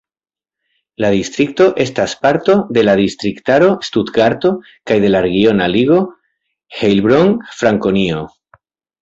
La distrikto estas parto de la distriktaro Stutgarto kaj de la regiona ligo Heilbronn-Frankonio.